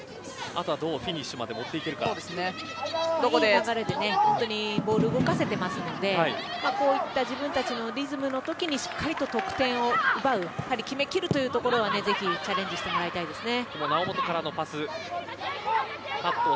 あとはフィニッシュまで本当にボール動かせてますのでこういった自分たちのリズムのときにしっかりと得点を奪う決め切るというところがぜひチャレンジしてもらいたいですね。